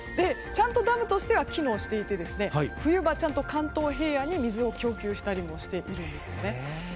ちゃんとダムとしては機能していて冬場、ちゃんと関東平野に水を供給したりもしているんですね。